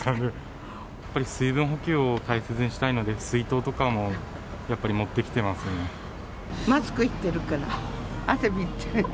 やっぱり水分補給を大切にしたいので、水筒とかもやっぱり持ってマスクしてるから、汗びっちょり。